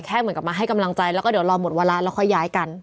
เหมือนกับมาให้กำลังใจแล้วก็เดี๋ยวรอหมดวาระแล้วค่อยย้ายกัน